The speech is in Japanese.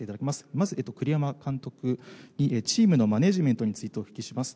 まず、栗山監督にチームのマネージメントについてお聞きします。